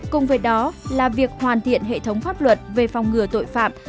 cùng với đó là việc hoàn thiện hệ thống pháp luật về phòng ngừa tội phạm